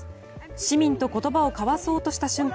市民と言葉を交わそうとした瞬間